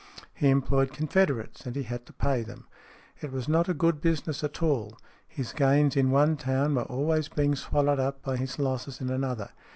He employed confederates, and he had to pay them. It was not a good business at all. His gains in one town were always being swallowed up by his losses in another.